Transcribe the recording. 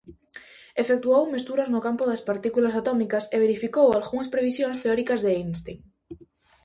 Efectuou mesturas no campo das partículas atómicas e verificou algunhas previsións teóricas de Einstein.